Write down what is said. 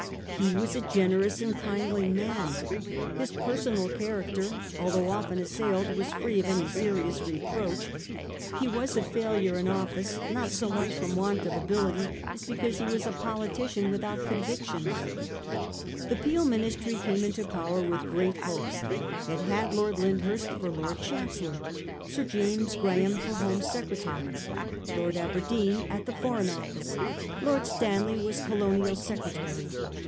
He was a generous and kindly man; his personal character, although often assailed, was free of any serious reproach; he was a failure in office, not so much from want of ability, as because he was a politician without convictions. The Peel Ministry came into power with great hopes. It had Lord Lyndhurst for Lord Chancellor j Sir James Graham for Home Secretary ; Lord Aber 204 A HISTORY OF OUR OWN TIMES. OH. IX. deen at the Foreign Office ; Lord Stanley was Colo nial Secretary.